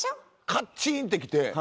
カッチーンってきて。